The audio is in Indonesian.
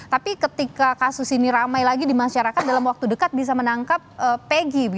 tapi ketika kasus ini ramai lagi di masyarakat dalam waktu dekat bisa menangkap peggy